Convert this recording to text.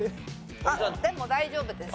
でも大丈夫です。